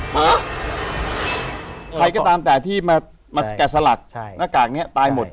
ฮะใครก็ตามแต่ที่มาแกะสลักหน้ากากนี้ตายหมด